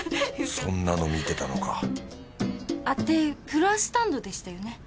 そんなの見てたのかでフロアスタンドでしたよね？